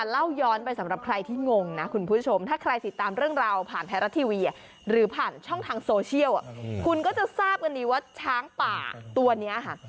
ราบกันดีว่าช้างป่าตัวนี้ค่ะ